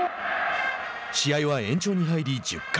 試合は延長に入り、１０回。